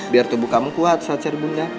biar tubuh kamu kuat saat cari ibu mda